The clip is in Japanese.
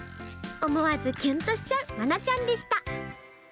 思わずキュンとしちゃうまなちゃんでした。